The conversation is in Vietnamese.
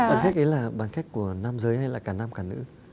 bàn khách ấy là bàn khách của nam giới hay là cả nam cả nữ